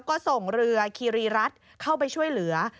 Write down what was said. ก็ส่งเรือคีรีรัฐเข้าไปช่วยเหลือ